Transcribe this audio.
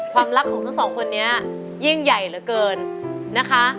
ความรักของทั้งสองคนนี้ยิ่งใหญ่เหลือเกินนะคะ